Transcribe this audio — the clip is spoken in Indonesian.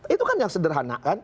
itu kan yang sederhana